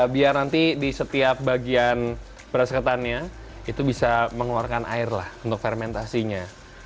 biar nanti di setiap bagian beras ketannya itu bisa mengeluarkan air lah untuk fermentasinya